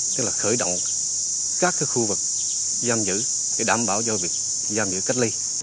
tức là khởi động các khu vực giam giữ để đảm bảo cho việc giam giữ cách ly